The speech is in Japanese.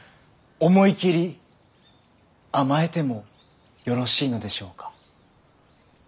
思い切り甘えてもよろしいのでしょうか。